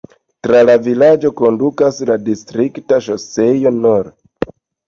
Tra la vilaĝo kondukas la distrikta ŝoseo nr.